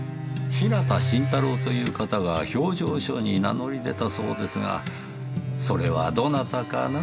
日向新太郎という方が評定所に名乗り出たそうですがそれはどなたかな？